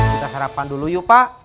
kita sarapan dulu yuk pak